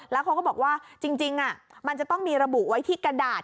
แล้วเขาก็บอกว่าจริงมันจะต้องมีระบุไว้ที่กระดาษ